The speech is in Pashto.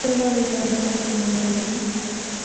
یووالی دا احساس له منځه وړي.